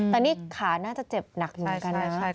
แต่นี่ขาน่าจะเจ็บหนักอีกกันนะ